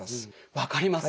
分かります。